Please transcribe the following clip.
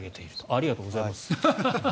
ありがとうございます。